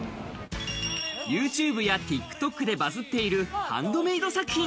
ＹｏｕＴｕｂｅやＴｉｋＴｏｋでバズっているハンドメイド作品。